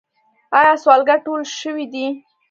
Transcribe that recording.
آیا سوالګر ټول شوي دي؟